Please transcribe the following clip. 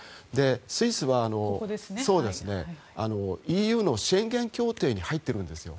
スイスはＥＵのシェンゲン協定に入ってるんですよ。